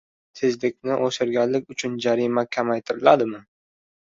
Tezlikni oshirganlik uchun jarima kamaytiriladimi?